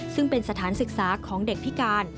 ซึ่งเป็นสถานศึกษาของเด็กพิการ